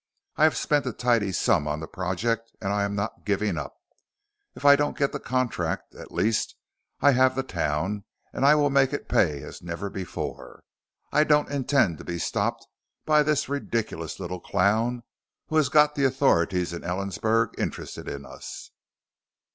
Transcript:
I have spent a tidy sum on the project, and I'm not giving up. If I don't get the contract, at least I have the town, and I will make it pay as never before. I don't intend to be stopped by this ridiculous little clown who has got the authorities in Ellensburg interested in us."